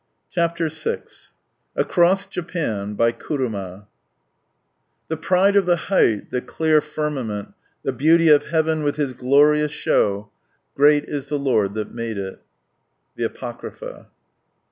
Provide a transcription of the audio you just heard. CHAPTER VI accoas Sapaii be Ituiuma " 7S^ pride of thi ktight, Ike elfar firmament, the beauty of Heavin with his gloricm shew ... great is Ike Lord that made ('/."— The Apocrypha.